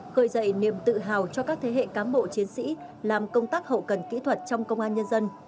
khởi dậy niềm tự hào cho các thế hệ cán bộ chiến sĩ làm công tác hậu cần kỹ thuật trong công an nhân dân